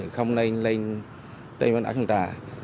không lên trên bán đảo trang trà